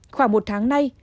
khoảng một tháng nay